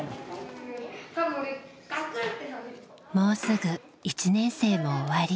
もうすぐ１年生も終わり。